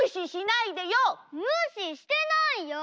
むししてないよ！